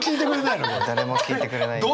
誰も聴いてくれないの？